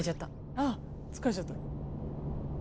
あ疲れちゃった。